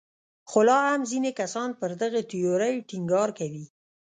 خو لا هم ځینې کسان پر دغې تیورۍ ټینګار کوي.